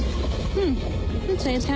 うん。